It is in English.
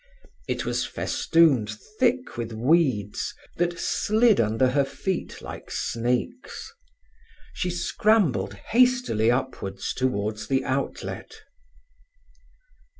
It was festooned thick with weeds that slid under her feet like snakes. She scrambled hastily upwards towards the outlet.